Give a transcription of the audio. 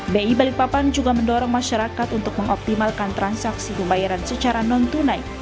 bi balikpapan juga mendorong masyarakat untuk mengoptimalkan transaksi pembayaran secara non tunai